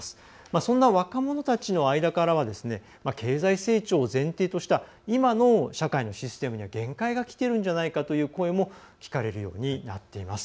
そんな若者たちの間からは経済成長を前提とした今の社会のシステムには限界がきているんじゃないかという声も聞かれるようになっています。